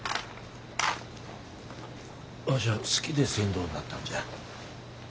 わしは好きで船頭になったんじゃ。